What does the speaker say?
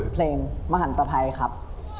เพลงมหันตภัยครับ